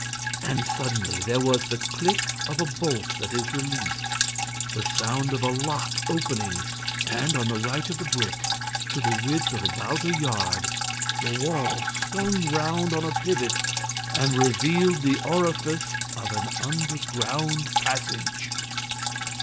And, suddenly, there was the click of a bolt that is released, the sound of a lock opening and, on the right of the brick, to the width of about a yard, the wall swung round on a pivot and revealed the orifice of an underground passage.